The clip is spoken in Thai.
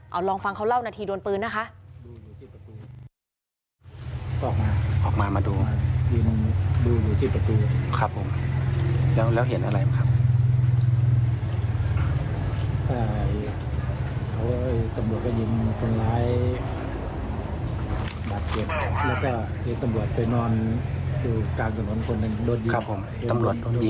เอาลองฟังเขาเล่านาทีดวนปืนนะคะ